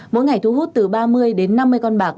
mỗi ngày thu hút từ ba mươi đến năm mươi con bạc